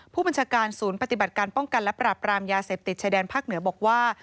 ผู้บัญชาการศูนย์ปฏิบัติการป้องกันและปราบรามยาเสพติดชายแดนภาคเหนือบอกว่า